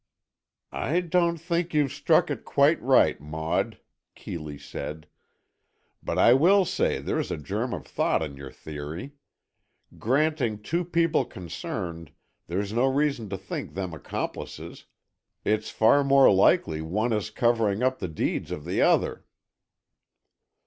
"I don't think you've struck it quite right, Maud," Keeley said, "but I will say there's a germ of thought in your theory. Granting two people concerned, there's no reason to think them accomplices, it's far more likely one is covering up the deeds of the other."